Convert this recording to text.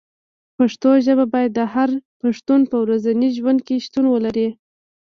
پښتو ژبه باید د هر پښتون په ورځني ژوند کې شتون ولري.